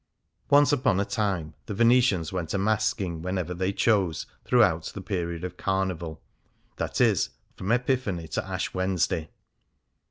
Once upon a time the Venetians went a mask ing whenever they chose throughout the period of carnival — i,e.^ from Epiphany to Ash Wed nesday.